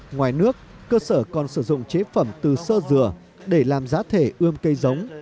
ngoài nước cơ sở còn sử dụng chế phẩm từ sơ dừa để làm giá thể ươm cây giống